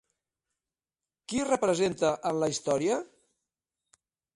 Qui representa en la història?